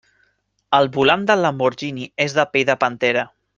El volant del Lamborghini és de pell de pantera.